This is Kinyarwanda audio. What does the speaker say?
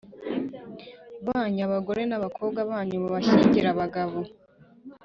Banyu abagore n abakobwa banyu mubashyingire abagabo